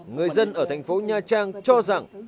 người dân ở thành phố nha trang cho rằng